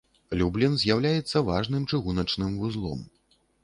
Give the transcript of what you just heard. Люблін з'яўляецца важным чыгуначным вузлом.